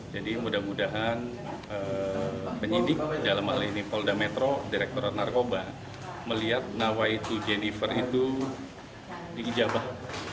jadi mudah mudahan penyidik dalam hal ini polda metro direktur narkoba melihat nawaitu jennifer itu diijabah